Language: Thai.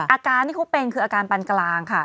อาการที่เขาเป็นคืออาการปันกลางค่ะ